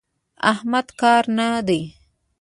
احمد کاره نه دی.